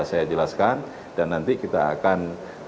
saya jelaskan dan nanti kita akan